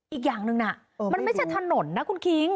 อีกอย่างหนึ่งน่ะมันไม่ใช่ถนนนะคุณคิง